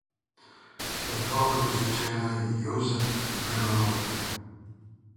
Her father was the tailor Josep Vilallonga.